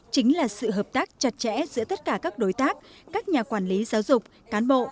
chính là sự hợp tác chặt chẽ giữa tất cả các đối tác các nhà quản lý giáo dục cán bộ